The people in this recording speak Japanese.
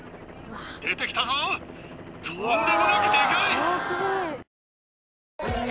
出てきたぞとんでもなくデカい！